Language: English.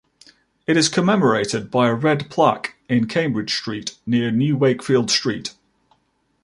It is commemorated by a red plaque in Cambridge Street near New Wakefield Street.